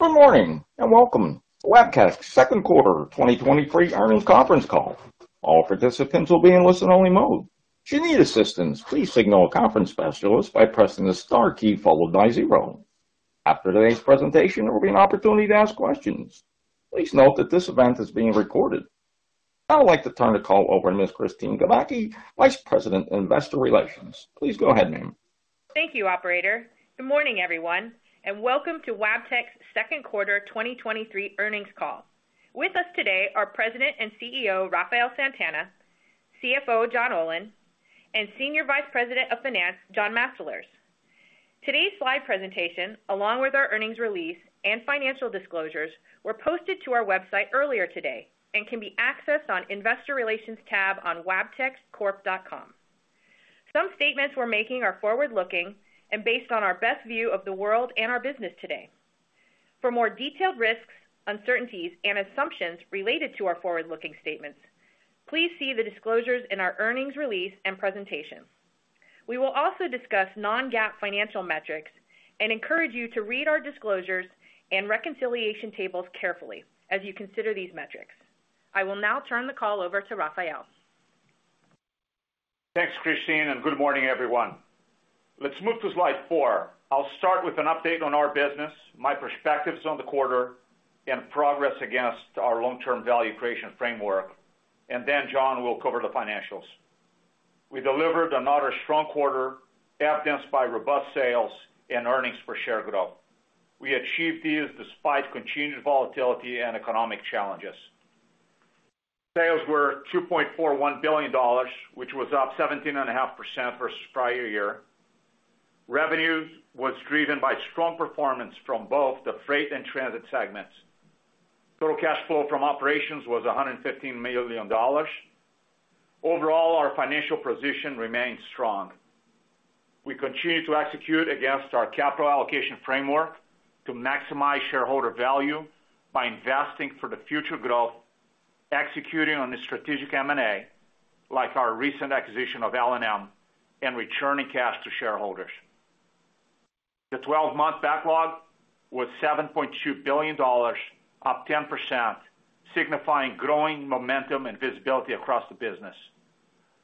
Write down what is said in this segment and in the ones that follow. Good morning, welcome to Wabtec's Second Quarter 2023 Earnings Conference Call. All participants will be in listen-only mode. If you need assistance, please signal a conference specialist by pressing the star key followed by zero. After today's presentation, there will be an opportunity to ask questions. Please note that this event is being recorded. I would like to turn the call over to Miss Kristine Kubacki, Vice President of Investor Relations. Please go ahead, ma'am. Thank you, operator. Good morning, everyone. Welcome to Wabtec's second quarter 2023 earnings call. With us today are President and CEO, Rafael Santana, CFO, John Olin, and Senior Vice President of Finance, John Mastalerz. Today's slide presentation, along with our earnings release and financial disclosures, were posted to our website earlier today and can be accessed on Investor Relations tab on wabteccorp.com. Some statements we're making are forward-looking and based on our best view of the world and our business today. For more detailed risks, uncertainties, and assumptions related to our forward-looking statements, please see the disclosures in our earnings release and presentation. We will also discuss non-GAAP financial metrics and encourage you to read our disclosures and reconciliation tables carefully as you consider these metrics. I will now turn the call over to Rafael. Thanks, Kristine. Good morning, everyone. Let's move to slide four. I'll start with an update on our business, my perspectives on the quarter, and progress against our long-term value creation framework. John Olin will cover the financials. We delivered another strong quarter, evidenced by robust sales and earnings per share growth. We achieved these despite continued volatility and economic challenges. Sales were $2.41 billion, which was up 17.5% versus prior year. Revenues was driven by strong performance from both the freight and transit segments. Total cash flow from operations was $115 million. Overall, our financial position remains strong. We continue to execute against our capital allocation framework to maximize shareholder value by investing for the future growth, executing on the strategic M&A, like our recent acquisition of L&M, returning cash to shareholders. The 12-month backlog was $7.2 billion, up 10%, signifying growing momentum and visibility across the business.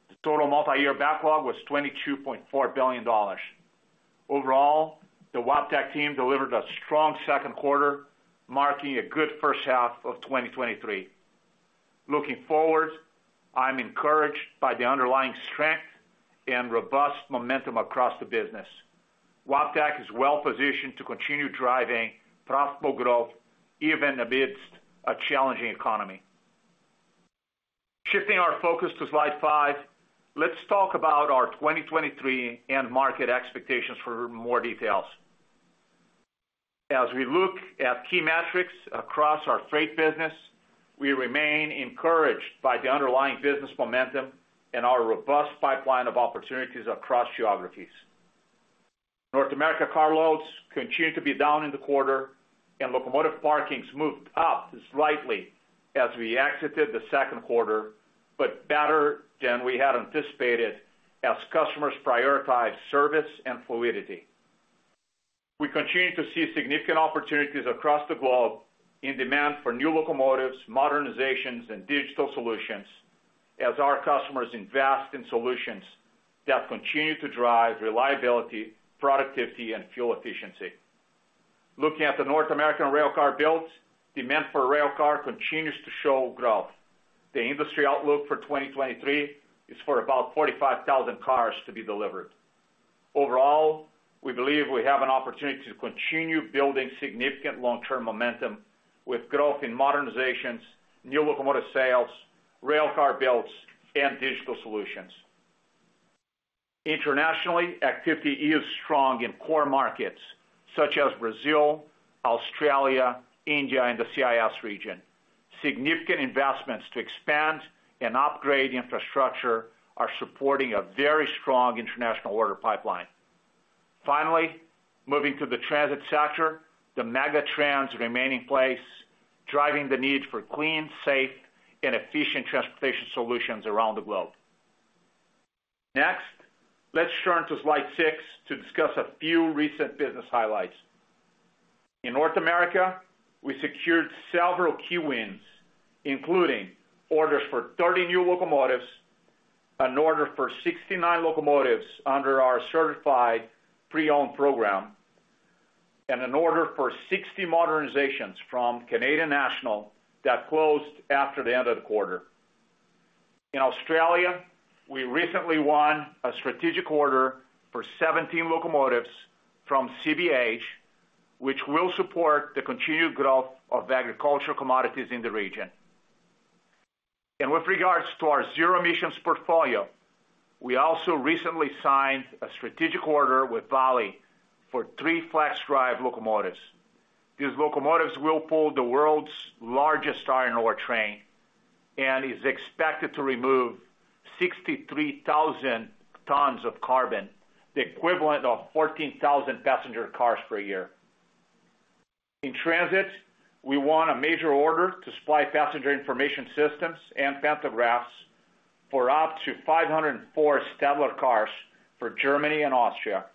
The total multi-year backlog was $22.4 billion. Overall, the Wabtec team delivered a strong second quarter, marking a good first half of 2023. Looking forward, I'm encouraged by the underlying strength and robust momentum across the business. Wabtec is well positioned to continue driving profitable growth, even amidst a challenging economy. Shifting our focus to slide five, let's talk about our 2023 end market expectations for more details. As we look at key metrics across our freight business, we remain encouraged by the underlying business momentum and our robust pipeline of opportunities across geographies. North America car loads continue to be down in the quarter, locomotive parkings moved up slightly as we exited the second quarter, but better than we had anticipated as customers prioritize service and fluidity. We continue to see significant opportunities across the globe in demand for new locomotives, modernizations, and digital solutions as our customers invest in solutions that continue to drive reliability, productivity, and fuel efficiency. Looking at the North American rail car builds, demand for rail car continues to show growth. The industry outlook for 2023 is for about 45,000 cars to be delivered. Overall, we believe we have an opportunity to continue building significant long-term momentum with growth in modernizations, new locomotive sales, rail car builds, and digital solutions. Internationally, activity is strong in core markets such as Brazil, Australia, India, and the CIS region. Significant investments to expand and upgrade infrastructure are supporting a very strong international order pipeline. Finally, moving to the transit sector, the mega trends remain in place, driving the need for clean, safe, and efficient transportation solutions around the globe. Let's turn to slide 6 to discuss a few recent business highlights. In North America, we secured several key wins, including orders for 30 new locomotives, an order for 69 locomotives under our Certified Pre-Owned Program, and an order for 60 modernizations from Canadian National that closed after the end of the quarter. In Australia, we recently won a strategic order for 17 locomotives from CBH, which will support the continued growth of agricultural commodities in the region. With regards to our zero emissions portfolio, we also recently signed a strategic order with Vale for 3 FLXdrive locomotives. These locomotives will pull the world's largest iron ore train and is expected to remove 63,000 tons of carbon, the equivalent of 14,000 passenger cars per year. In transit, we won a major order to supply passenger information systems and pantographs for up to 504 Stadler cars for Germany and Austria.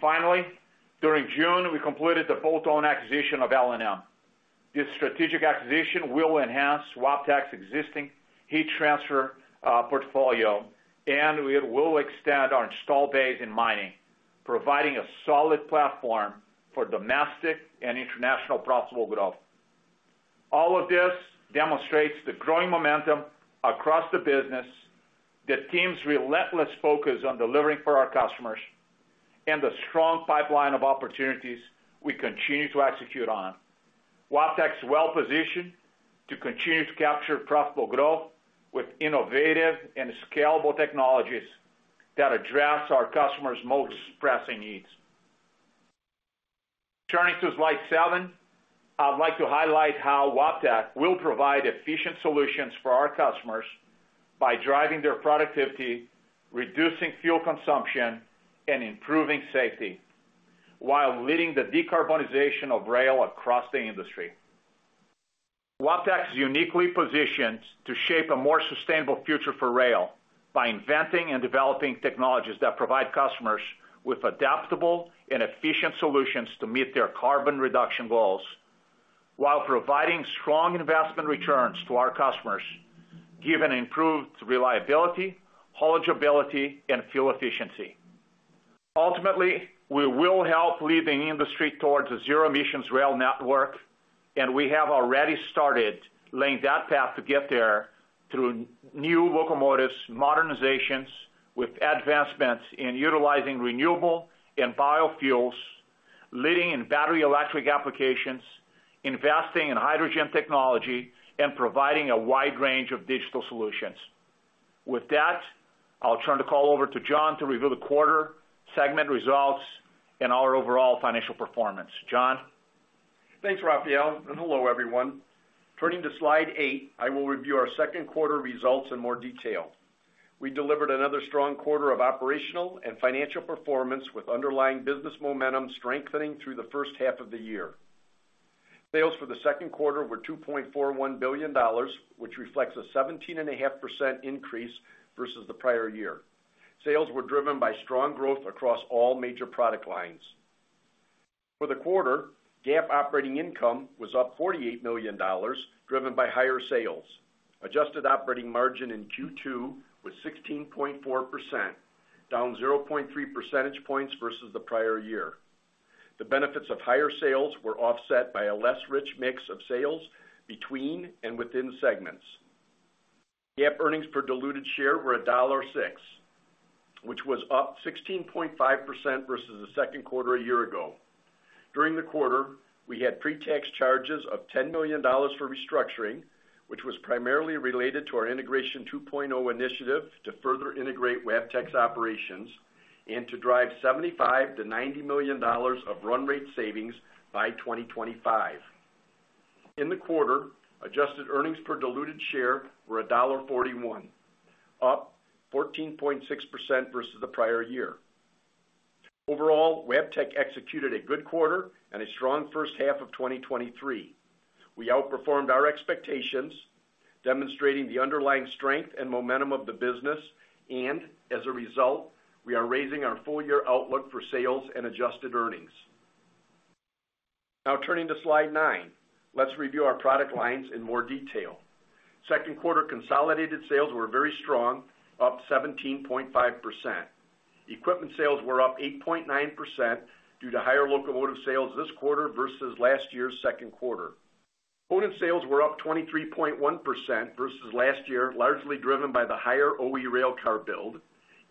Finally, during June, we completed the full-own acquisition of L&M Radiator. This strategic acquisition will enhance Wabtec's existing heat transfer portfolio, and it will extend our install base in mining, providing a solid platform for domestic and international profitable growth. All of this demonstrates the growing momentum across the business, the team's relentless focus on delivering for our customers, and the strong pipeline of opportunities we continue to execute on. Wabtec is well positioned to continue to capture profitable growth with innovative and scalable technologies that address our customers' most pressing needs. Turning to slide seven, I'd like to highlight how Wabtec will provide efficient solutions for our customers by driving their productivity, reducing fuel consumption, and improving safety, while leading the decarbonization of rail across the industry. Wabtec is uniquely positioned to shape a more sustainable future for rail by inventing and developing technologies that provide customers with adaptable and efficient solutions to meet their carbon reduction goals, while providing strong investment returns to our customers, given improved reliability, haulage ability, and fuel efficiency. Ultimately, we will help lead the industry towards a zero emissions rail network. We have already started laying that path to get there through new locomotives, modernizations, with advancements in utilizing renewable and biofuels, leading in battery electric applications, investing in hydrogen technology, and providing a wide range of digital solutions. With that, I'll turn the call over to John to review the quarter, segment results, and our overall financial performance. John? Thanks, Rafael, hello, everyone. Turning to slide eight, I will review our second quarter results in more detail. We delivered another strong quarter of operational and financial performance, with underlying business momentum strengthening through the first half of the year. Sales for the second quarter were $2.41 billion, which reflects a 17.5% increase versus the prior year. Sales were driven by strong growth across all major product lines. For the quarter, GAAP operating income was up $48 million, driven by higher sales. Adjusted operating margin in Q2 was 16.4%, down 0.3 percentage points versus the prior year. The benefits of higher sales were offset by a less rich mix of sales between and within segments. GAAP earnings per diluted share were $1.06, which was up 16.5% versus the second quarter a year ago. During the quarter, we had pre-tax charges of $10 million for restructuring, which was primarily related to our Integration 2.0 initiative to further integrate Wabtec's operations and to drive $75 million-$90 million of run rate savings by 2025. In the quarter, adjusted earnings per diluted share were $1.41, up 14.6% versus the prior year. Overall, Wabtec executed a good quarter and a strong first half of 2023. We outperformed our expectations, demonstrating the underlying strength and momentum of the business, as a result, we are raising our full year outlook for sales and adjusted earnings. Turning to slide nine. Let's review our product lines in more detail. Second quarter consolidated sales were very strong, up 17.5%. Equipment sales were up 8.9% due to higher locomotive sales this quarter versus last year's second quarter. Component sales were up 23.1% versus last year, largely driven by the higher OE rail car build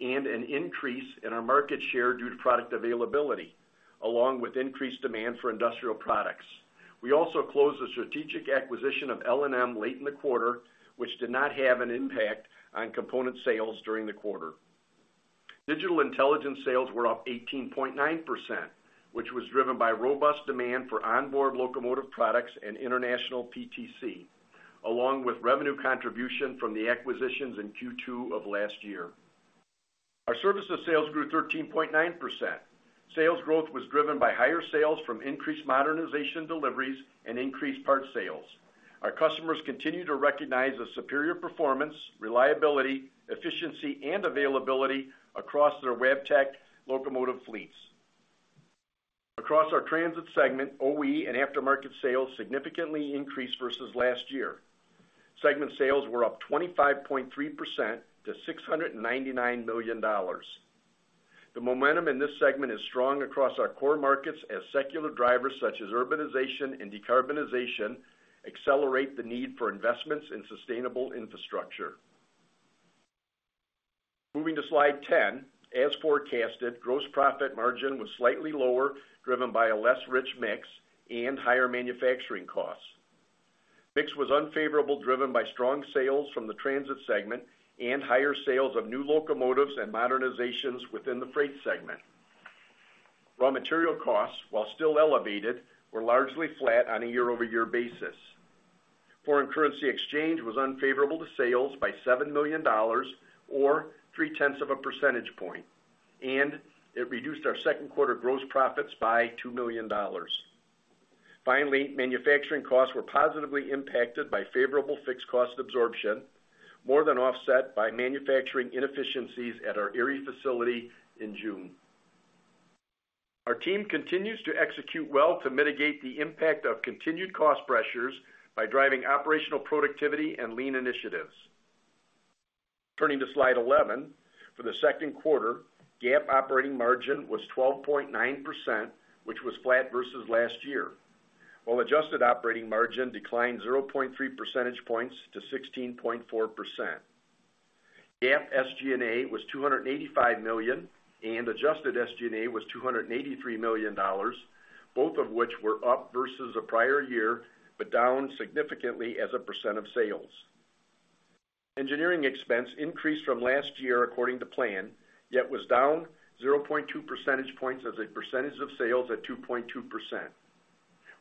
and an increase in our market share due to product availability, along with increased demand for industrial products. We also closed the strategic acquisition of L&M late in the quarter, which did not have an impact on component sales during the quarter. Digital intelligence sales were up 18.9%, which was driven by robust demand for onboard locomotive products and international PTC, along with revenue contribution from the acquisitions in Q2 of last year. Our services sales grew 13.9%. Sales growth was driven by higher sales from increased modernization deliveries and increased part sales. Our customers continue to recognize the superior performance, reliability, efficiency, and availability across their Wabtec locomotive fleets. Across our transit segment, OE and aftermarket sales significantly increased versus last year. Segment sales were up 25.3% to $699 million. The momentum in this segment is strong across our core markets as secular drivers, such as urbanization and decarbonization, accelerate the need for investments in sustainable infrastructure. Moving to slide 10, as forecasted, gross profit margin was slightly lower, driven by a less rich mix and higher manufacturing costs. Mix was unfavorable, driven by strong sales from the transit segment and higher sales of new locomotives and modernizations within the freight segment. Raw material costs, while still elevated, were largely flat on a year-over-year basis. Foreign currency exchange was unfavorable to sales by $7 million or 0.3 percentage points, and it reduced our second quarter gross profits by $2 million. Finally, manufacturing costs were positively impacted by favorable fixed cost absorption, more than offset by manufacturing inefficiencies at our Erie facility in June. Our team continues to execute well to mitigate the impact of continued cost pressures by driving operational productivity and lean initiatives. Turning to slide 11, for the second quarter, GAAP operating margin was 12.9%, which was flat versus last year, while adjusted operating margin declined 0.3 percentage points to 16.4%. GAAP SG&A was $285 million, and adjusted SG&A was $283 million, both of which were up versus the prior year, but down significantly as a percentage of sales. Engineering expense increased from last year according to plan, yet was down 0.2 percentage points as a percentage of sales at 2.2%.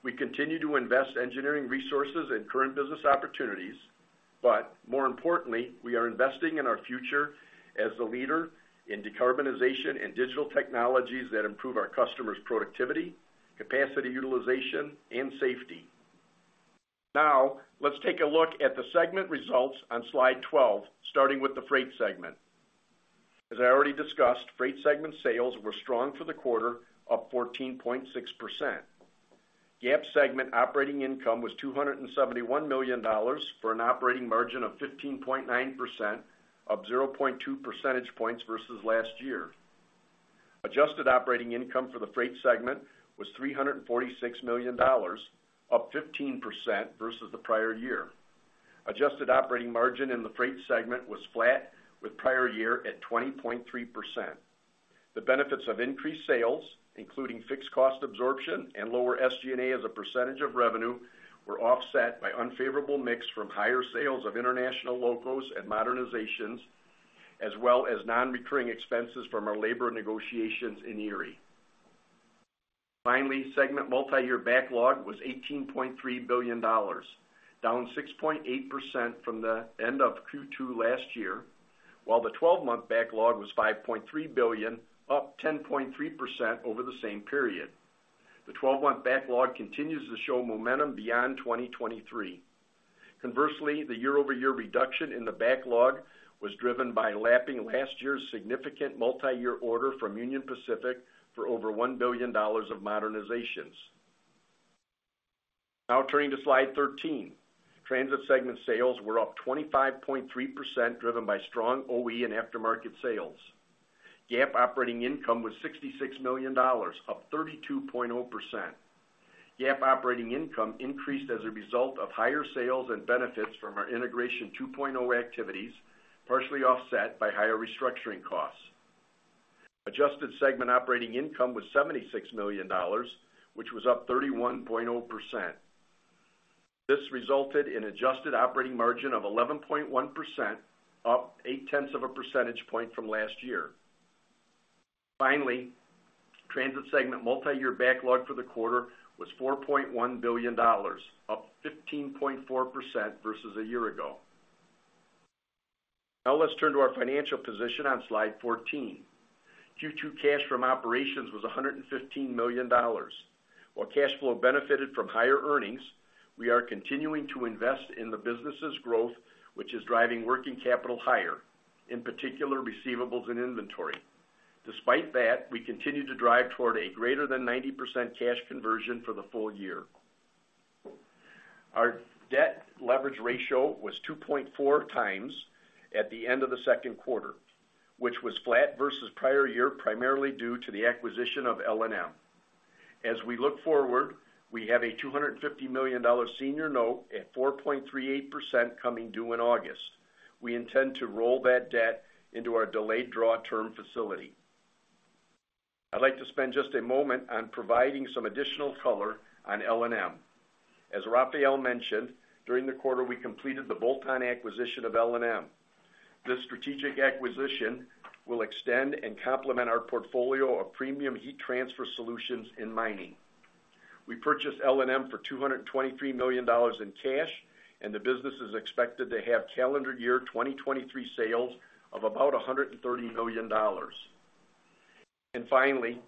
We continue to invest engineering resources in current business opportunities, but more importantly, we are investing in our future as the leader in decarbonization and digital technologies that improve our customers' productivity, capacity, utilization, and safety. Let's take a look at the segment results on slide 12, starting with the Freight segment. As I already discussed, Freight segment sales were strong for the quarter, up 14.6%. GAAP segment operating income was $271 million, for an operating margin of 15.9%, up 0.2 percentage points versus last year. Adjusted operating income for the Freight segment was $346 million, up 15% versus the prior year. Adjusted operating margin in the Freight Segment was flat with prior year at 20.3%. The benefits of increased sales, including fixed cost absorption and lower SG&A as a percentage of revenue, were offset by unfavorable mix from higher sales of international locos and modernizations, as well as non-recurring expenses from our labor negotiations in Erie. Finally, segment multi-year backlog was $18.3 billion, down 6.8% from the end of Q2 last year, while the 12-month backlog was $5.3 billion, up 10.3% over the same period. The 12-month backlog continues to show momentum beyond 2023. Conversely, the year-over-year reduction in the backlog was driven by lapping last year's significant multi-year order from Union Pacific for over $1 billion of modernizations. Now turning to slide 13. Transit segment sales were up 25.3%, driven by strong OE and aftermarket sales. GAAP operating income was $66 million, up 32.0%. GAAP operating income increased as a result of higher sales and benefits from our Integration 2.0 activities, partially offset by higher restructuring costs. Adjusted segment operating income was $76 million, which was up 31.0%. This resulted in adjusted operating margin of 11.1%, up 0.8 percentage point from last year. Finally, Transit segment multi-year backlog for the quarter was $4.1 billion, up 15.4% versus a year ago. Now let's turn to our financial position on slide 14. Q2 cash from operations was $115 million. While cash flow benefited from higher earnings, we are continuing to invest in the business's growth, which is driving working capital higher, in particular, receivables and inventory. Despite that, we continue to drive toward a greater than 90% cash conversion for the full year. Our debt leverage ratio was 2.4x at the end of the second quarter, which was flat versus prior year, primarily due to the acquisition of L&M. We look forward, we have a $250 million senior note at 4.38% coming due in August. We intend to roll that debt into our delayed draw term facility. I'd like to spend just a moment on providing some additional color on L&M. Rafael mentioned, during the quarter, we completed the bolt-on acquisition of L&M. This strategic acquisition will extend and complement our portfolio of premium heat transfer solutions in mining. We purchased L&M for $223 million in cash, and the business is expected to have calendar year 2023 sales of about $130 million. Finally,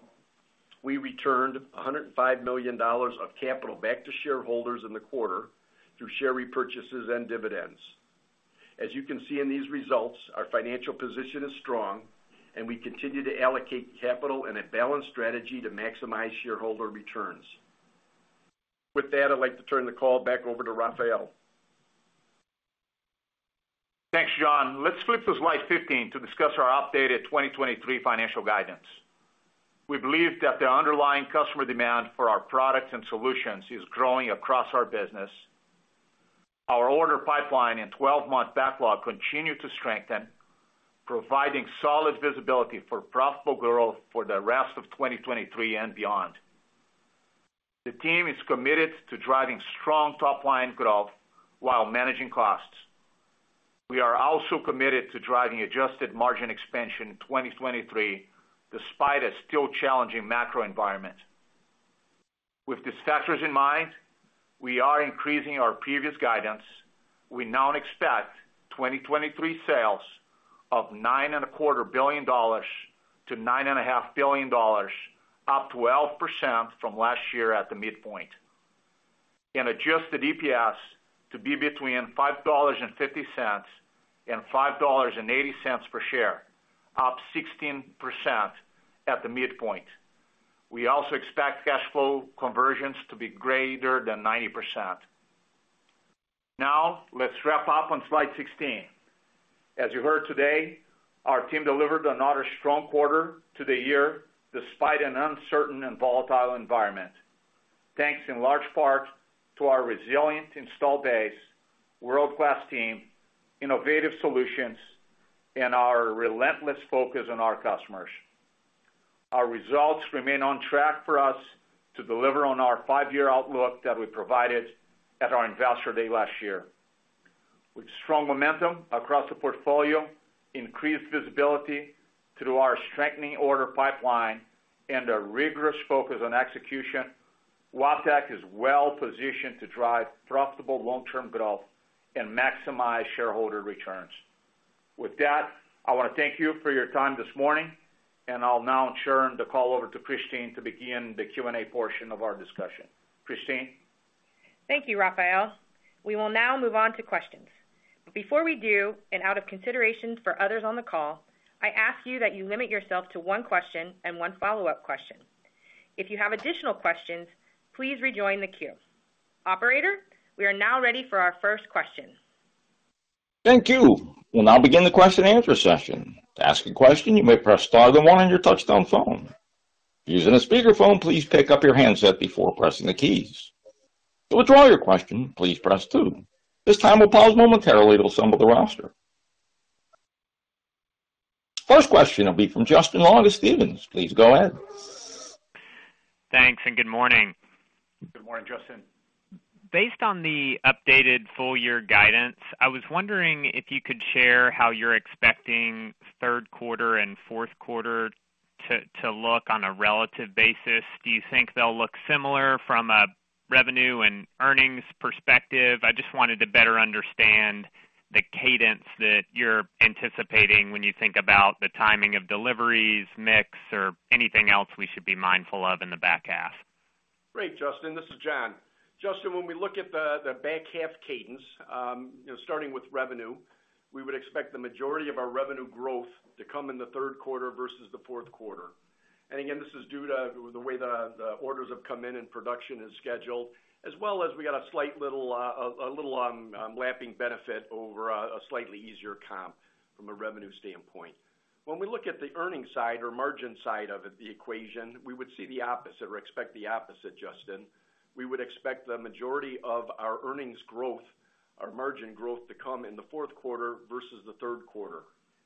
we returned $105 million of capital back to shareholders in the quarter through share repurchases and dividends. As you can see in these results, our financial position is strong, and we continue to allocate capital in a balanced strategy to maximize shareholder returns. With that, I'd like to turn the call back over to Rafael. Thanks, John. Let's flip to slide 15 to discuss our updated 2023 financial guidance. We believe that the underlying customer demand for our products and solutions is growing across our business. Our order pipeline and 12-month backlog continue to strengthen, providing solid visibility for profitable growth for the rest of 2023 and beyond. The team is committed to driving strong top-line growth while managing costs. We are also committed to driving adjusted margin expansion in 2023, despite a still challenging macro environment. With these factors in mind, we are increasing our previous guidance. We now expect 2023 sales of $9 and a quarter billion to $9 and a half billion, up 12% from last year at the midpoint. Adjusted EPS to be between $5.50 and $5.80 per share, up 16% at the midpoint. We also expect cash flow conversions to be greater than 90%. Let's wrap up on slide 16. As you heard today, our team delivered another strong quarter to the year, despite an uncertain and volatile environment. Thanks in large part to our resilient installed base, world-class team, innovative solutions, and our relentless focus on our customers. Our results remain on track for us to deliver on our 5-year outlook that we provided at our Investor Day last year. With strong momentum across the portfolio, increased visibility through our strengthening order pipeline, and a rigorous focus on execution, Wabtec is well positioned to drive profitable long-term growth and maximize shareholder returns. With that, I want to thank you for your time this morning, and I'll now turn the call over to Kristine to begin the Q&A portion of our discussion. Kristine? Thank you, Rafael. We will now move on to questions. Before we do, and out of consideration for others on the call, I ask you that you limit yourself to one question and one follow-up question. If you have additional questions, please rejoin the queue. Operator, we are now ready for our first question. Thank you. We'll now begin the question and answer session. To ask a question, you may press star then one on your touchtone phone. If you're using a speakerphone, please pick up your handset before pressing the keys. To withdraw your question, please press two. This time, we'll pause momentarily to assemble the roster. First question will be from Justin Long of Stephens. Please go ahead. Thanks, and good morning. Good morning, Justin. Based on the updated full year guidance, I was wondering if you could share how you're expecting third quarter and fourth quarter to look on a relative basis. Do you think they'll look similar from a revenue and earnings perspective? I just wanted to better understand the cadence that you're anticipating when you think about the timing of deliveries, mix, or anything else we should be mindful of in the back half. Great, Justin. This is John. Justin, when we look at the back half cadence, you know, starting with revenue, we would expect the majority of our revenue growth to come in the third quarter versus the fourth quarter. Again, this is due to the way the orders have come in and production is scheduled, as well as we got a slight little, a little lapping benefit over a slightly easier comp from a revenue standpoint. We look at the earnings side or margin side of the equation, we would see the opposite, or expect the opposite, Justin. We would expect the majority of our earnings growth, our margin growth, to come in the fourth quarter versus the third quarter,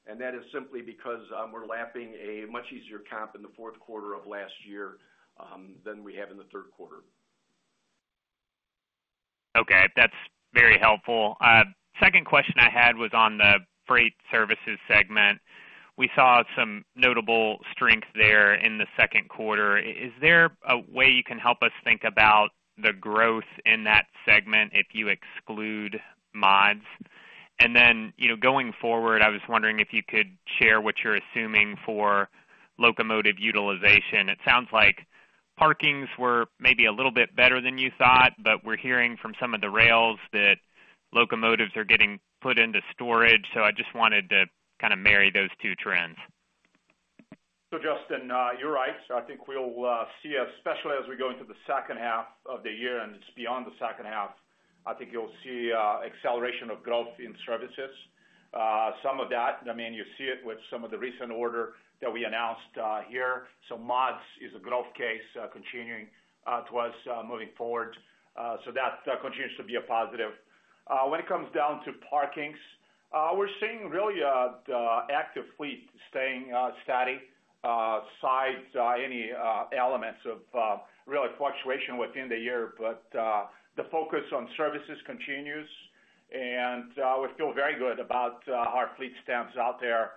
and that is simply because we're lapping a much easier comp in the fourth quarter of last year than we have in the third quarter. Okay, that's very helpful. Second question I had was on the freight services segment. We saw some notable strength there in the second quarter. Is there a way you can help us think about the growth in that segment if you exclude mods? You know, going forward, I was wondering if you could share what you're assuming for locomotive utilization. It sounds like parkings were maybe a little bit better than you thought, but we're hearing from some of the rails that locomotives are getting put into storage, so I just wanted to kind of marry those two trends. Justin, you're right. I think we'll see, especially as we go into the second half of the year and just beyond the second half, I think you'll see acceleration of growth in services. Some of that, I mean, you see it with some of the recent order that we announced here. Mods is a growth case, continuing to us, moving forward. That continues to be a positive. When it comes down to parkings, we're seeing really the active fleet staying steady, besides any elements of really fluctuation within the year. The focus on services continues, and we feel very good about our fleet stats out there,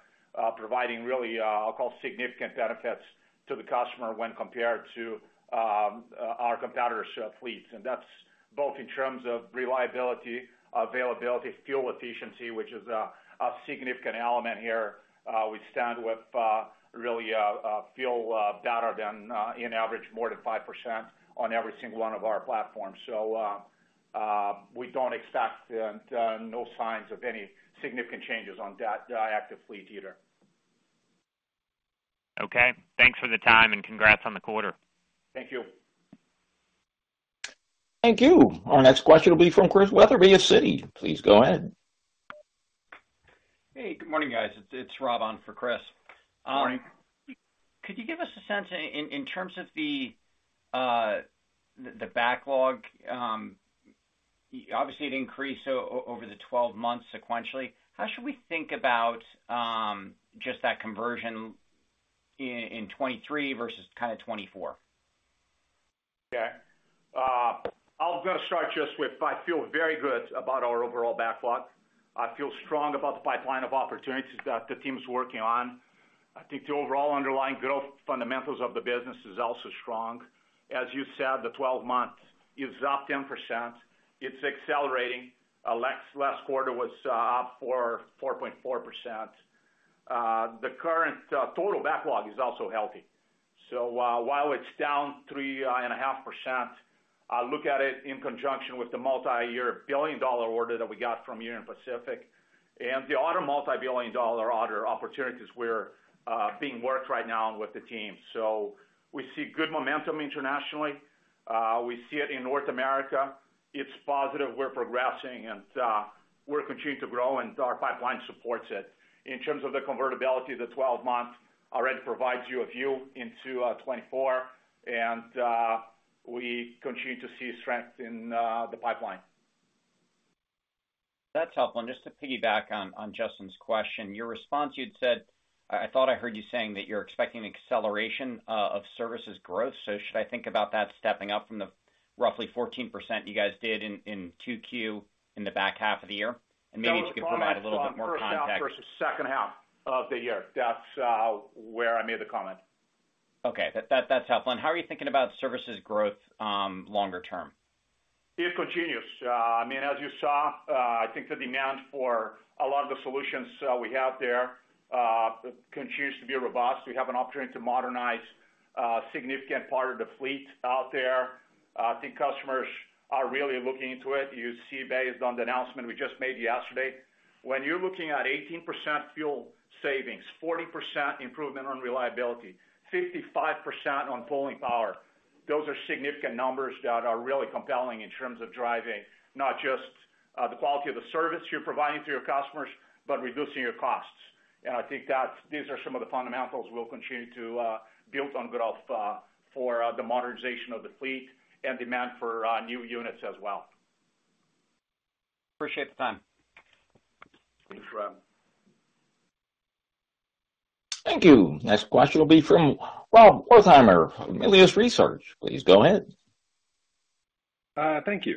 providing really, I'll call, significant benefits to the customer when compared to our competitors' fleets. That's both in terms of reliability, availability, fuel efficiency, which is a, a significant element here. We stand with, really, fuel, better than, in average, more than 5% on every single one of our platforms. We don't expect no signs of any significant changes on that, the active fleet either. Okay. Thanks for the time, and congrats on the quarter. Thank you. Thank you. Our next question will be from Christian Wetherbee of Citi. Please go ahead. Hey, good morning, guys. It's Rob on for Chris. Good morning. Could you give us a sense in, in terms of the backlog? Obviously, it increased over the 12 months sequentially. How should we think about just that conversion in, in 2023 versus kind of 2024? Okay. I'm gonna start just with, I feel very good about our overall backlog. I feel strong about the pipeline of opportunities that the team is working on. I think the overall underlying growth fundamentals of the business is also strong. As you said, the 12 months is up 10%. It's accelerating. Last quarter was up for 4.4%. The current total backlog is also healthy. While it's down 3.5%, I look at it in conjunction with the multi-year billion-dollar order that we got from Union Pacific, and the other multi-billion dollar order opportunities were being worked right now with the team. We see good momentum internationally. We see it in North America. It's positive, we're progressing and we're continuing to grow, and our pipeline supports it. In terms of the convertibility, the 12 month already provides you a view into 2024, and we continue to see strength in the pipeline. That's helpful. Just to piggyback on, on Justin's question, your response, I thought I heard you saying that you're expecting an acceleration of services growth. Should I think about that stepping up from the roughly 14% you guys did in, in 2Q in the back half of the year? Maybe you could provide a little bit more context. First half versus second half of the year. That's where I made the comment. Okay, that's helpful. How are you thinking about services growth, longer term? It continues. I mean, as you saw, I think the demand for a lot of the solutions we have there continues to be robust. We have an opportunity to modernize a significant part of the fleet out there. I think customers are really looking into it. You see based on the announcement we just made yesterday, when you're looking at 18% fuel savings, 40% improvement on reliability, 55% on pulling power, those are significant numbers that are really compelling in terms of driving, not just the quality of the service you're providing to your customers, but reducing your costs. I think these are some of the fundamentals we'll continue to build on growth for the modernization of the fleet and demand for new units as well. Appreciate the time. Thanks, Rob. Thank you. Next question will be from Robert Wertheimer, Melius Research. Please go ahead. Thank you.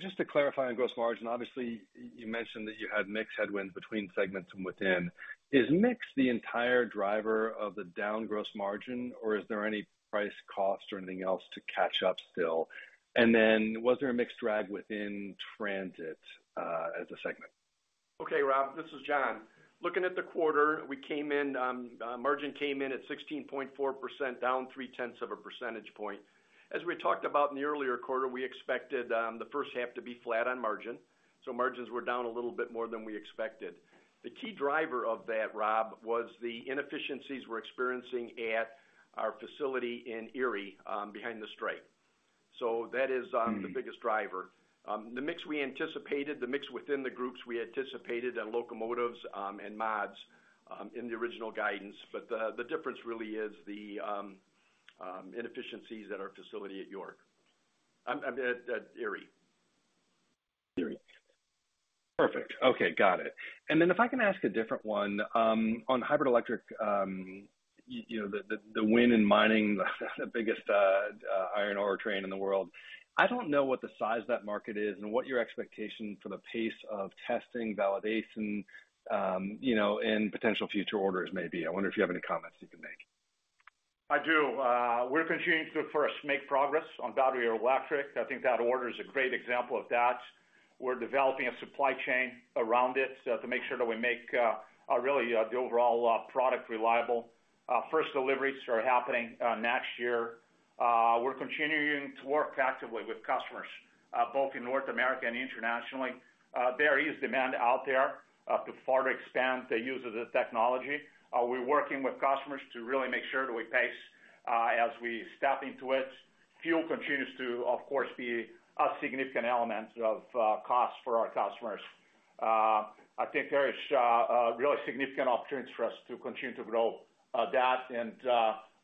Just to clarify on gross margin, obviously, you mentioned that you had mix headwinds between segments from within. Is mix the entire driver of the down gross margin, or is there any price cost or anything else to catch up still? Was there a mix drag within transit as a segment? Okay, Rob, this is John. Looking at the quarter, we came in, margin came in at 16.4%, down 3 tenths of a percentage point. As we talked about in the earlier quarter, we expected the first half to be flat on margin. Margins were down a little bit more than we expected. The key driver of that, Rob, was the inefficiencies we're experiencing at our facility in Erie, behind the strike. That is the biggest driver. The mix we anticipated, the mix within the groups, we anticipated in locomotives and mods in the original guidance, but the difference really is the inefficiencies at our facility at York. At Erie. Erie. Perfect. Okay, got it. Then if I can ask a different one, on hybrid electric, you know, the win in mining, the biggest iron ore train in the world. I don't know what the size of that market is and what your expectation for the pace of testing, validation, you know, and potential future orders may be. I wonder if you have any comments you can make. I do. We're continuing to first make progress on battery or electric. I think that order is a great example of that. We're developing a supply chain around it to make sure that we make really the overall product reliable. First deliveries are happening next year. We're continuing to work actively with customers both in North America and internationally. There is demand out there to further expand the use of the technology. We're working with customers to really make sure that we pace as we step into it. Fuel continues to, of course, be a significant element of cost for our customers. I think there is a really significant opportunity for us to continue to grow that, and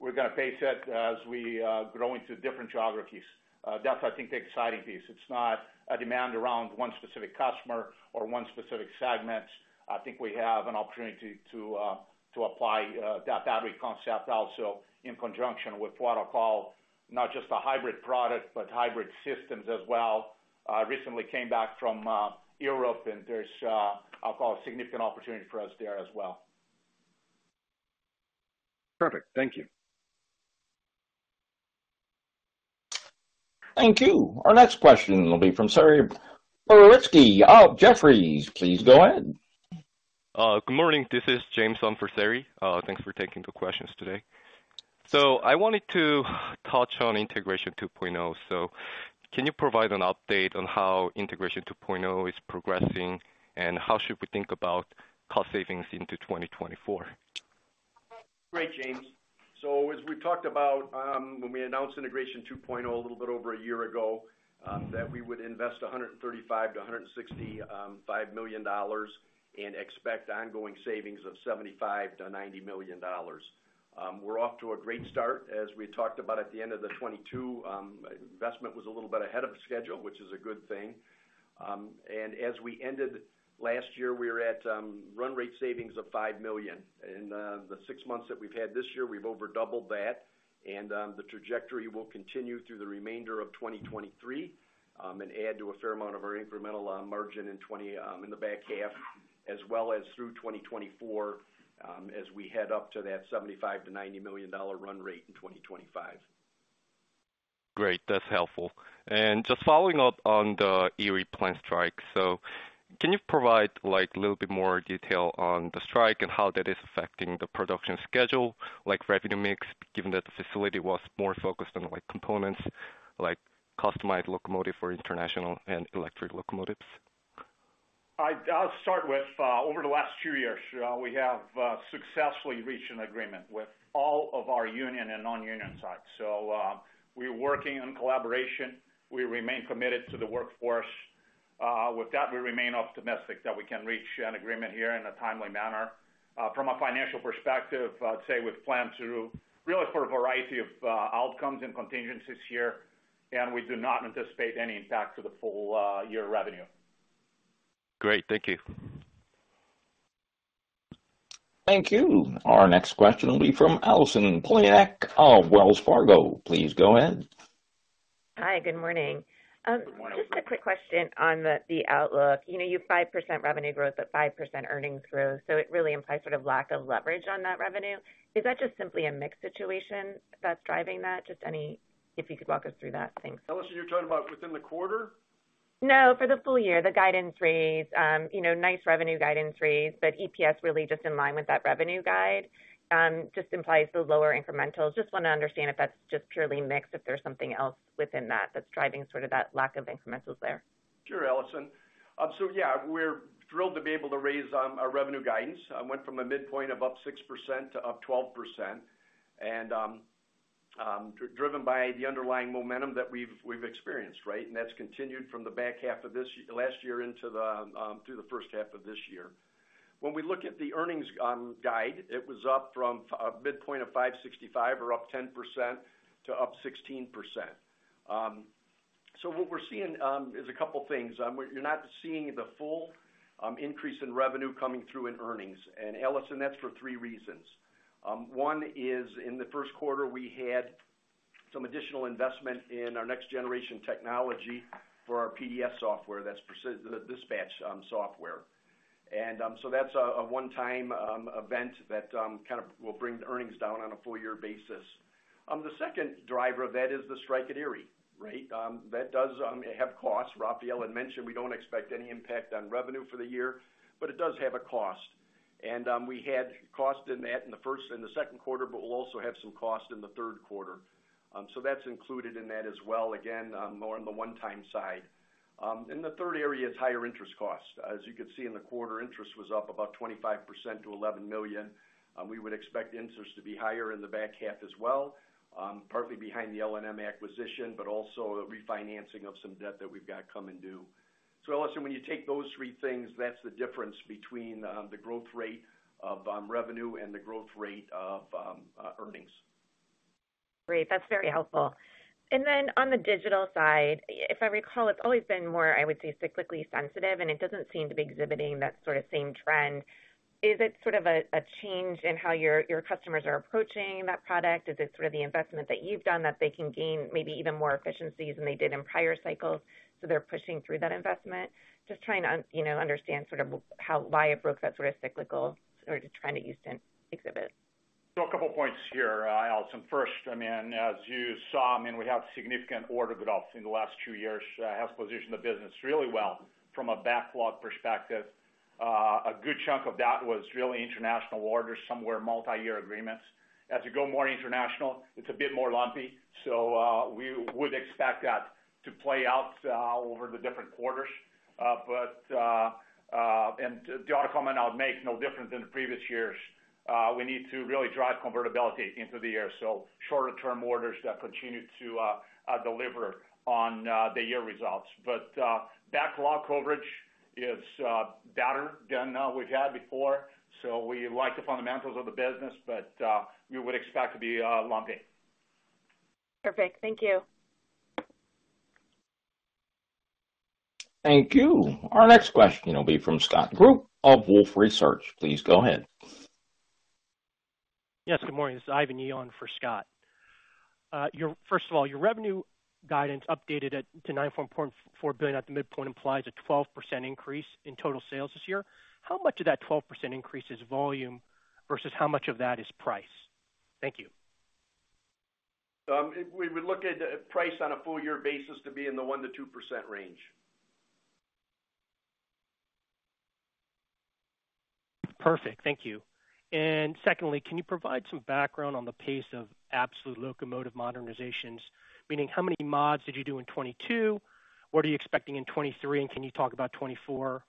we're gonna pace it as we grow into different geographies. That's, I think, the exciting piece. It's not a demand around one specific customer or one specific segment. I think we have an opportunity to to apply that battery concept also in conjunction with what I'll call, not just a hybrid product, but hybrid systems as well. I recently came back from Europe, there's I'll call a significant opportunity for us there as well. Perfect. Thank you. Thank you. Our next question will be from Saree Boroditsky of Jefferies. Please go ahead. Good morning. This is James on for Saree. Thanks for taking the questions today. I wanted to touch on Integration 2.0. Can you provide an update on how Integration 2.0 is progressing, and how should we think about cost savings into 2024? Great, James. As we talked about, when we announced Integration 2.0, a little bit over a year ago, that we would invest $135 million-$165 million and expect ongoing savings of $75 million-$90 million. We're off to a great start. As we talked about at the end of 2022, investment was a little bit ahead of schedule, which is a good thing. As we ended last year, we were at run rate savings of $5 million. The six months that we've had this year, we've over doubled that, the trajectory will continue through the remainder of 2023. add to a fair amount of our incremental margin in 20 in the back half, as well as through 2024, as we head up to that $75 million-$90 million run rate in 2025. Great, that's helpful. Just following up on the Erie plant strike. Can you provide, like, a little bit more detail on the strike and how that is affecting the production schedule, like revenue mix, given that the facility was more focused on, like, components, like customized locomotive for international and electric locomotives? I'll start with, over the last two years, we have successfully reached an agreement with all of our union and non-union sites. We're working in collaboration. We remain committed to the workforce. With that, we remain optimistic that we can reach an agreement here in a timely manner. From a financial perspective, I'd say with plan two, really for a variety of outcomes and contingencies here, and we do not anticipate any impact to the full year revenue. Great, thank you. Thank you. Our next question will be from Allison Poliniak of Wells Fargo. Please go ahead. Hi, good morning. Good morning. Just a quick question on the, the outlook. You know, you have 5% revenue growth, but 5% earnings growth, so it really implies sort of lack of leverage on that revenue. Is that just simply a mix situation that's driving that? Just if you could walk us through that. Thanks. Allison, you're talking about within the quarter? No, for the full year, the guidance raise. You know, nice revenue guidance raise, but EPS really just in line with that revenue guide, just implies the lower incrementals. Just wanna understand if that's just purely mixed, if there's something else within that, that's driving sort of that lack of incrementals there? Sure, Allison. So yeah, we're thrilled to be able to raise our revenue guidance. Went from a midpoint of up 6% to up 12%, and driven by the underlying momentum that we've experienced, right? That's continued from the back half of last year into the through the first half of this year. When we look at the earnings guide, it was up from a midpoint of $5.65 or up 10% to up 16%. What we're seeing is a couple of things. You're not seeing the full increase in revenue coming through in earnings. Allison, that's for three reasons. One is, in the first quarter, we had some additional investment in our next generation technology for our PDS software, that's Precision the Dispatch Software. That's a one-time event that kind of will bring the earnings down on a full year basis. The second driver of that is the strike at Erie, right? That does have costs. Rafael had mentioned, we don't expect any impact on revenue for the year, but it does have a cost. We had cost in that in the first and the second quarter, but we'll also have some cost in the third quarter. That's included in that as well. Again, more on the one-time side. The third area is higher interest costs. As you can see in the quarter, interest was up about 25% to $11 million. We would expect interest to be higher in the back half as well, partly behind the L&M acquisition, but also the refinancing of some debt that we've got coming due. Allison, when you take those three things, that's the difference between the growth rate of revenue and the growth rate of earnings. Great, that's very helpful. On the digital side, if I recall, it's always been more, I would say, cyclically sensitive, and it doesn't seem to be exhibiting that sort of same trend. Is it sort of a change in how your, your customers are approaching that product? Is it sort of the investment that you've done that they can gain maybe even more efficiencies than they did in prior cycles, so they're pushing through that investment? Just trying to you know, understand sort of how, why it broke that sort of cyclical or just trying to use an exhibit. A couple of points here, Allison. First, I mean, as you saw, I mean, we have significant order build-ups in the last two years, has positioned the business really well from a backlog perspective. A good chunk of that was really international orders, some were multi-year agreements. As you go more international, it's a bit more lumpy, we would expect that to play out over the different quarters. The other comment I would make, no different than the previous years, we need to really drive convertibility into the year. Shorter-term orders that continue to deliver on the year results. Backlog coverage is better than we've had before. We like the fundamentals of the business, we would expect to be lumpy. Perfect. Thank you. Thank you. Our next question will be from Scott Group of Wolfe Research. Please go ahead. Yes, good morning. This is Ivan Yi for Scott. First of all, your revenue guidance updated to $9.4 billion at the midpoint implies a 12% increase in total sales this year. How much of that 12% increase is volume versus how much of that is price? Thank you. We would look at price on a full year basis to be in the 1%-2% range. Perfect. Thank you. Secondly, can you provide some background on the pace of absolute locomotive modernizations? Meaning, how many mods did you do in 2022? What are you expecting in 2023, and can you talk about 2024?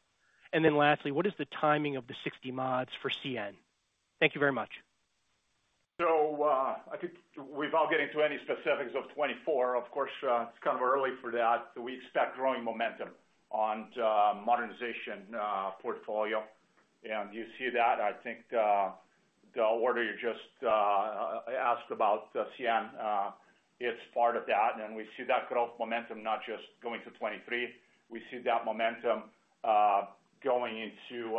Lastly, what is the timing of the 60 mods for CN? Thank you very much. I think without getting into any specifics of 2024, of course, it's kind of early for that. We expect growing momentum on the modernization portfolio. You see that, I think, the order you just asked about, the CN, it's part of that, and we see that growth momentum not just going to 2023, we see that momentum going into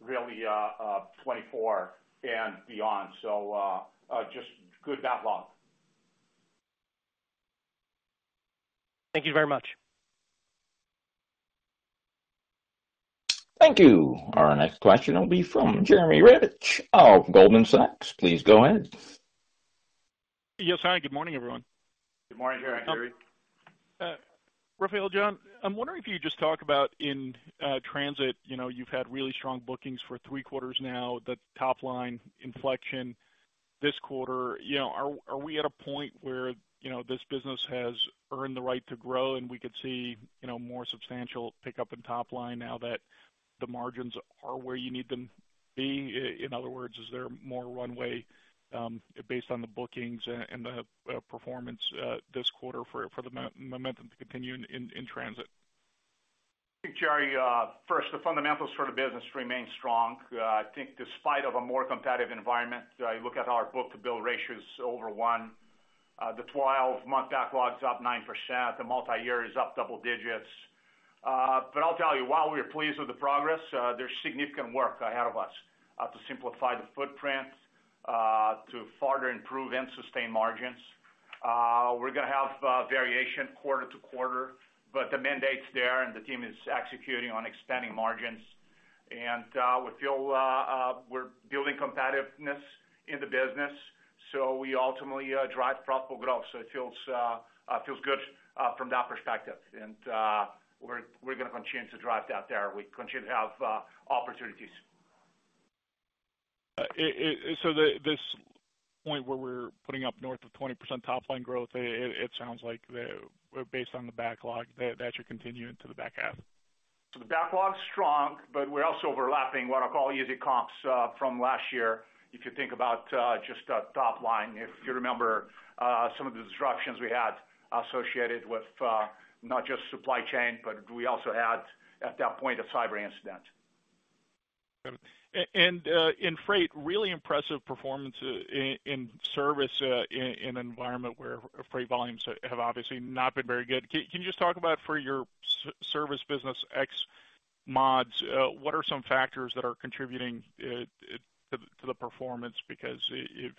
really 2024 and beyond. Just good backlog. Thank you very much. Thank you. Our next question will be from Jerry Revich of Goldman Sachs. Please go ahead. Yes. Hi, good morning, everyone. Good morning, Jerry. Rafael, John, I'm wondering if you could just talk about in transit, you know, you've had really strong bookings for three quarters now, the top line inflection this quarter. You know, are we at a point where, you know, this business has earned the right to grow, and we could see, you know, more substantial pickup in top line now that the margins are where you need them be? In other words, is there more runway, based on the bookings and the performance this quarter for the momentum to continue in transit? I think, Jerry, first, the fundamentals for the business remain strong. I think despite of a more competitive environment, I look at our book-to-bill ratio is over one. The 12-month backlog's up 9%, the multi-year is up double digits. I'll tell you, while we are pleased with the progress, there's significant work ahead of us, to simplify the footprint, to further improve and sustain margins. We're gonna have variation quarter to quarter, but the mandate's there, and the team is executing on extending margins. We feel we're building competitiveness in the business, so we ultimately drive profitable growth. It feels good from that perspective. We're gonna continue to drive that there. We continue to have opportunities. This point where we're putting up north of 20% top line growth, it sounds like the, based on the backlog, that should continue into the back half. The backlog's strong, but we're also overlapping what I'll call easy comps, from last year. If you think about, just the top line, if you remember, some of the disruptions we had associated with, not just supply chain, but we also had, at that point, a cyber incident. In freight, really impressive performance in service, in an environment where freight volumes have obviously not been very good. Can you just talk about for your service business ex mods, what are some factors that are contributing to the performance? If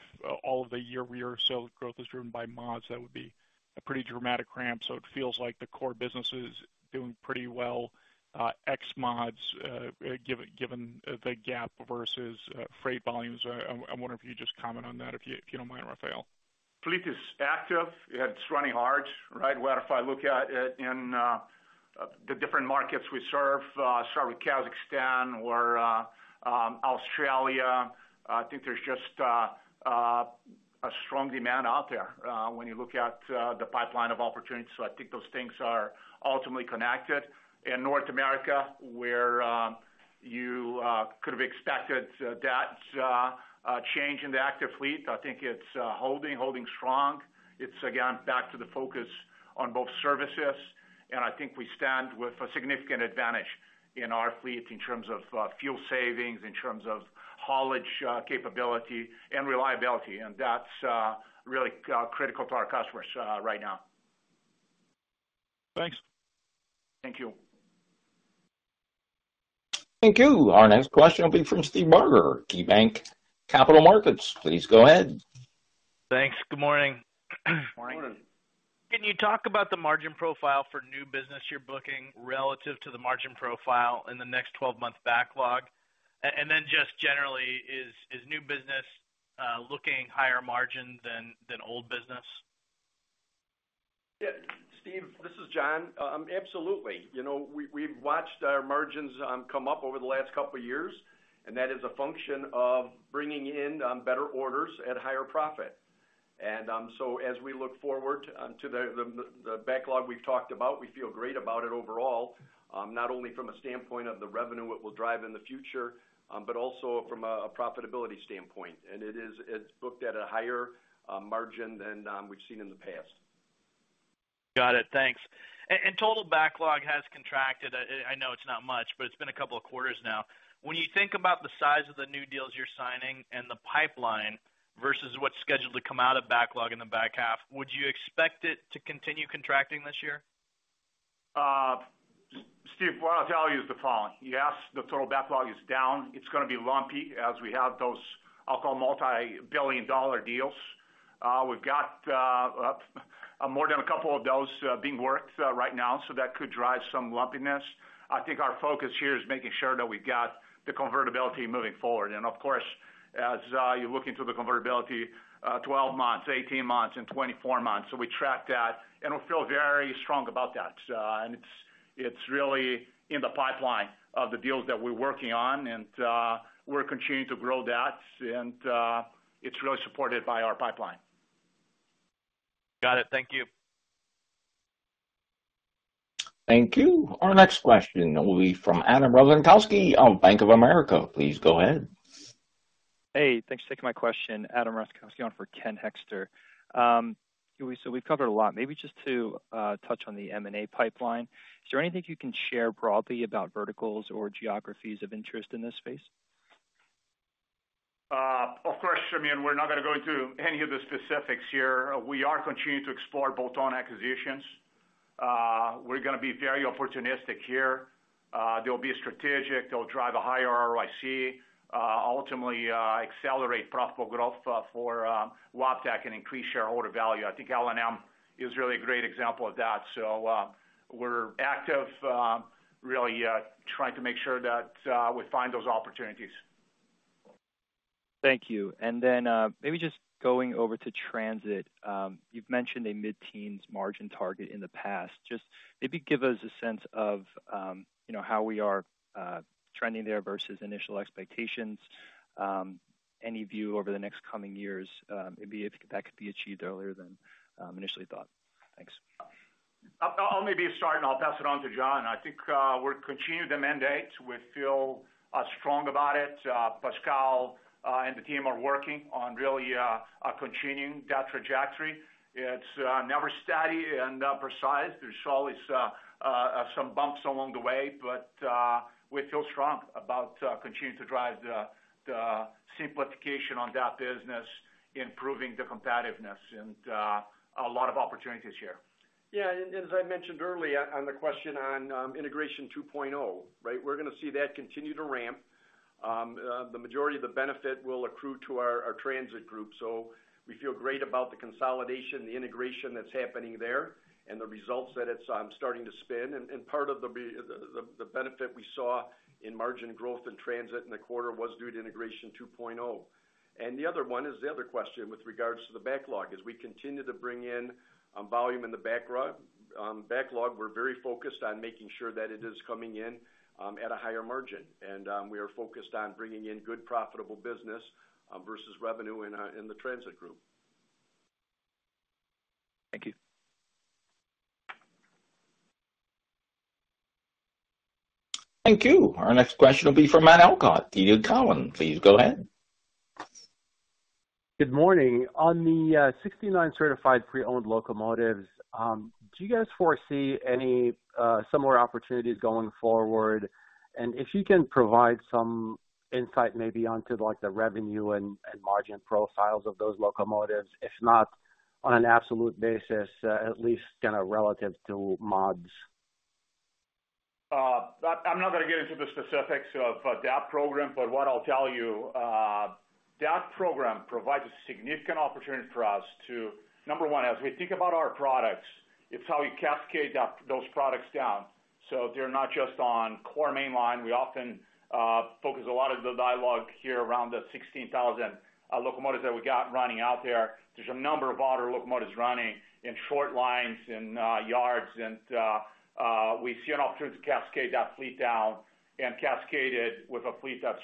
all of the year-over-year, so growth is driven by mods, that would be a pretty dramatic ramp. It feels like the core business is doing pretty well, ex mods, given the gap versus freight volumes. I'm wondering if you just comment on that, if you, if you don't mind, Rafael. Fleet is active. It's running hard, right? If I look at it in the different markets we serve, start with Kazakhstan or Australia, I think there's just a strong demand out there when you look at the pipeline of opportunities. I think those things are ultimately connected. In North America, where you could have expected that change in the active fleet, I think it's holding strong. It's again, back to the focus on both services, and I think we stand with a significant advantage in our fleet in terms of fuel savings, in terms of haulage capability and reliability, and that's really critical to our customers right now. Thanks. Thank you. Thank you. Our next question will be from Steve Barger, KeyBanc Capital Markets. Please go ahead. Thanks. Good morning. Good morning. Can you talk about the margin profile for new business you're booking relative to the margin profile in the next 12-month backlog? Then just generally, is new business looking higher margin than old business? Yeah, Steve, this is John. Absolutely. You know, we, we've watched our margins, come up over the last couple of years. That is a function of bringing in, better orders at higher profit. As we look forward, to the backlog we've talked about, we feel great about it overall, not only from a standpoint of the revenue it will drive in the future, but also from a, a profitability standpoint. It's booked at a higher, margin than, we've seen in the past. Got it. Thanks. Total backlog has contracted. I know it's not much, but it's been a couple of quarters now. When you think about the size of the new deals you're signing and the pipeline versus what's scheduled to come out of backlog in the back half, would you expect it to continue contracting this year? Steve, what I'll tell you is the following: Yes, the total backlog is down. It's gonna be lumpy as we have those, I'll call them, multi-billion dollar deals. We've got more than a couple of those being worked right now, that could drive some lumpiness. I think our focus here is making sure that we've got the convertibility moving forward. Of course, as you look into the convertibility, 12 months, 18 months and 24 months. We track that, and we feel very strong about that. It's really in the pipeline of the deals that we're working on, and we're continuing to grow that, and it's really supported by our pipeline. Got it. Thank you. Thank you. Our next question will be from Adam Uhlman of Bank of America. Please go ahead. Hey, thanks for taking my question. Adam Uhlman on for Ken Hoexter. We've covered a lot. Maybe just to touch on the M&A pipeline, is there anything you can share broadly about verticals or geographies of interest in this space?... of course, I mean, we're not going to go into any of the specifics here. We are continuing to explore bolt-on acquisitions. We're gonna be very opportunistic here. They'll be strategic, they'll drive a higher ROIC, ultimately, accelerate profitable growth for Wabtec and increase shareholder value. I think L&M is really a great example of that. We're active, really, trying to make sure that we find those opportunities. Thank you. Then, maybe just going over to transit. You've mentioned a mid-teens margin target in the past. Just maybe give us a sense of, you know, how we are trending there versus initial expectations. Any view over the next coming years, maybe if that could be achieved earlier than initially thought? Thanks. I'll maybe start, and I'll pass it on to John. I think, we're continuing the mandate. We feel strong about it. Pascal and the team are working on really, continuing that trajectory. It's never steady and precise. There's always some bumps along the way, but we feel strong about continuing to drive the simplification on that business, improving the competitiveness and a lot of opportunities here. As I mentioned earlier on the question on Integration 2.0, right? We're going to see that continue to ramp. The majority of the benefit will accrue to our transit group. We feel great about the consolidation, the integration that's happening there, and the results that it's starting to spin. Part of the benefit we saw in margin growth in transit in the quarter was due to Integration 2.0. The other question with regards to the backlog. As we continue to bring in volume in the backlog, we're very focused on making sure that it is coming in at a higher margin, we are focused on bringing in good, profitable business versus revenue in the transit group. Thank you. Thank you. Our next question will be from Matt Elkott, Cowen. Please go ahead. Good morning. On the 69 Certified Pre-Owned locomotives, do you guys foresee any similar opportunities going forward? If you can provide some insight maybe onto, like, the revenue and, and margin profiles of those locomotives, if not on an absolute basis, at least kind of relative to mods. I, I'm not going to get into the specifics of that program, but what I'll tell you, that program provides a significant opportunity for us to, number one, as we think about our products, it's how we cascade down those products down. They're not just on core mainline. We often focus a lot of the dialogue here around the 16,000 locomotives that we got running out there. There's a number of other locomotives running in short lines, in yards, and we see an opportunity to cascade that fleet down and cascade it with a fleet that's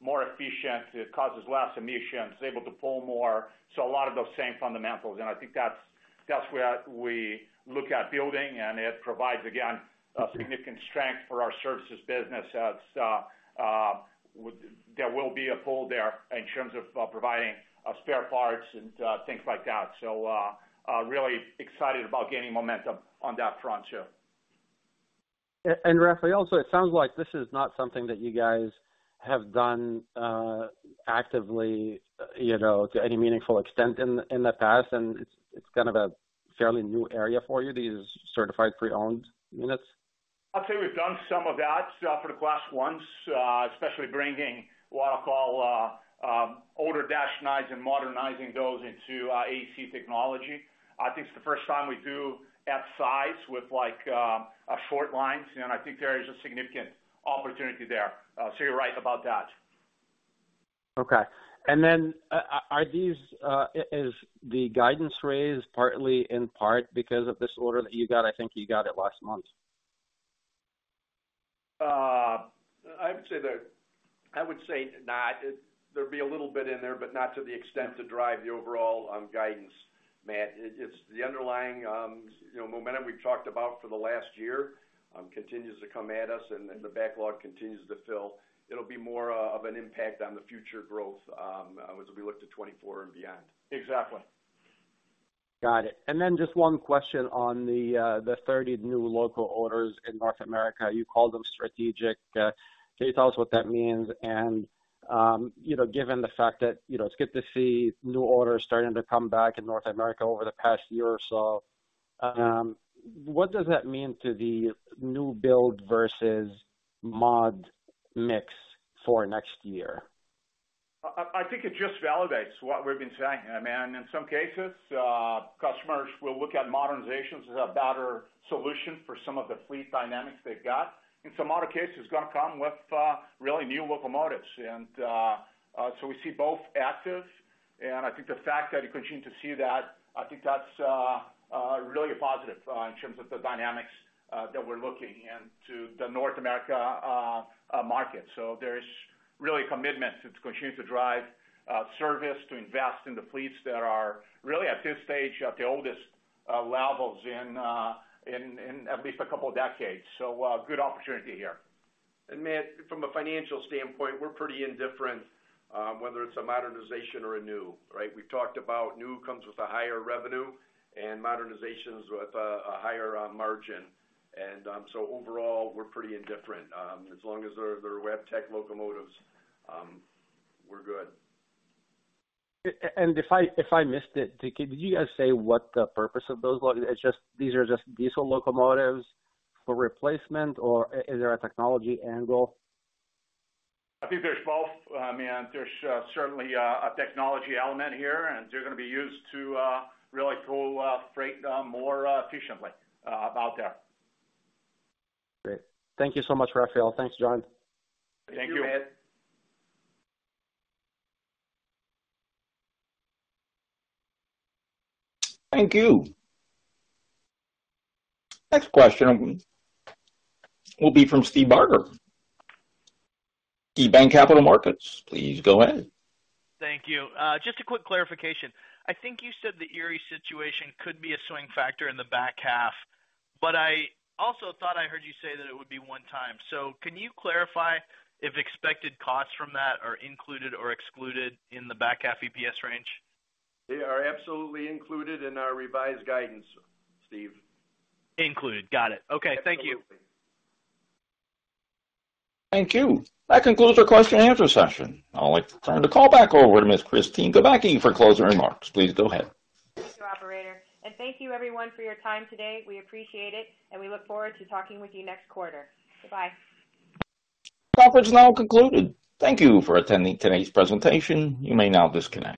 more efficient. It causes less emissions, able to pull more. A lot of those same fundamentals, and I think that's where we look at building, and it provides, again, a significant strength for our services business. As there will be a pull there in terms of providing spare parts and things like that. Really excited about gaining momentum on that front, too. Rafael, it sounds like this is not something that you guys have done, actively, you know, to any meaningful extent in the past, and it's kind of a fairly new area for you, these Certified Pre-Owned units? I'd say we've done some of that, for the class ones, especially bringing, what I'll call, older Dash 9 and modernizing those into, AC technology. I think it's the first time we do F side with like, short lines, and I think there is a significant opportunity there. You're right about that. Okay. are these, is the guidance raised partly in part because of this order that you got? I think you got it last month. I would say not. There'd be a little bit in there, but not to the extent to drive the overall guidance, Matt. It's the underlying, you know, momentum we've talked about for the last year, continues to come at us, and the backlog continues to fill. It'll be more of an impact on the future growth, as we look to 2024 and beyond. Exactly. Got it. Just one question on the 30 new local orders in North America. You called them strategic. Can you tell us what that means? You know, given the fact that, you know, it's good to see new orders starting to come back in North America over the past year or so, what does that mean to the new build versus mod mix for next year? I think it just validates what we've been saying. I mean, in some cases, customers will look at modernizations as a better solution for some of the fleet dynamics they've got. In some other cases, it's gonna come with really new locomotives. We see both active, and I think the fact that you continue to see that, I think that's really a positive in terms of the dynamics that we're looking in to the North America market. There is really commitment to continue to drive service, to invest in the fleets that are really, at this stage, at the oldest levels in at least a couple of decades. Good opportunity here. Matt, from a financial standpoint, we're pretty indifferent, whether it's a modernization or a new, right? We've talked about new comes with a higher revenue and modernizations with a higher margin. Overall, we're pretty indifferent. As long as they're Wabtec locomotives, we're good. If I missed it, did you guys say what the purpose of those were? These are just diesel locomotives for replacement, or is there a technology angle? I think there's both. I mean, there's certainly a technology element here, and they're going to be used to really pull freight more efficiently out there. Great. Thank you so much, Rafael. Thanks, John. Thank you, Matt. Thank you. Thank you. Next question will be from Steve Barger, KeyBanc Capital Markets. Please go ahead. Thank you. just a quick clarification. I think you said the Erie situation could be a swing factor in the back half, but I also thought I heard you say that it would be one time. Can you clarify if expected costs from that are included or excluded in the back half EPS range? They are absolutely included in our revised guidance, Steve. Included. Got it. Okay. Thank you. Absolutely. Thank you. That concludes our question and answer session. I'd like to turn the call back over to Ms. Kristine Kubacki for closing remarks. Please go ahead. Thank you, operator, and thank you everyone for your time today. We appreciate it, and we look forward to talking with you next quarter. Goodbye. Conference now concluded. Thank you for attending today's presentation. You may now disconnect.